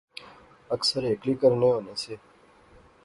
اکثر ہیکلی کرنے ہونے سے